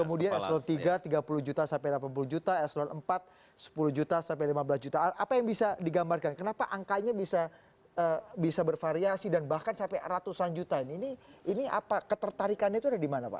kemudian eselon tiga tiga puluh juta sampai delapan puluh juta eselon empat sepuluh juta sampai lima belas juta apa yang bisa digambarkan kenapa angkanya bisa bervariasi dan bahkan sampai ratusan juta ini ini apa ketertarikannya itu ada di mana pak